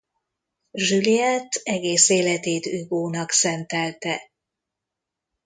Juliette egész életét Hugónak szentelte.